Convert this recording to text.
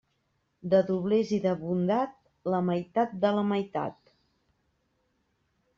De doblers i de bondat, la meitat de la meitat.